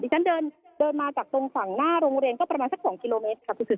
เลยจันเดินมาจากฝั่งหน้าโรงเรียนจากประมาณสัก๒กิโลเมตรค่ะบุษิศกุลค่ะ